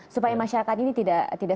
supaya masyarakat ini tidak